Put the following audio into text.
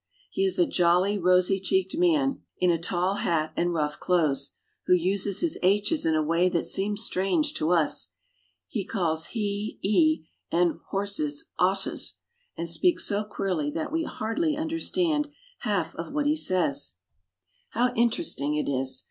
He is a jolly, rosy cheeked, man in a tall hat and rough clothes, who uses his h's in a way that seems strange to us. He calls " he " "e," and ''horses" " osses," and speaks so queerly that we hardly understand half he says. CARP. EUROPE — 5 We climb up. 70 ENGLAND. How interesting it is